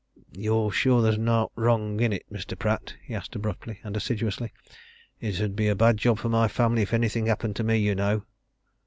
"You're sure there's naught wrong in it, Mr. Pratt," he asked abruptly and assiduously. "It 'ud be a bad job for my family if anything happened to me, you know."